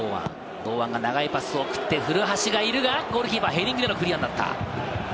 堂安が長いパスを送って、古橋がいるが、ゴールキーパー、ヘディングでのクリアになった。